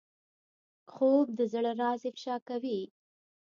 خوب د زړه راز افشا کوي